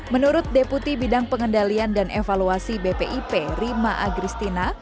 menurut deputi bidang pengendalian dan evaluasi bpip rima agristina